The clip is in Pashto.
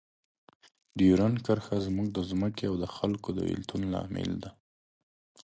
ډیورنډ کرښه زموږ د ځمکو او خلکو د بیلتون لامل ده.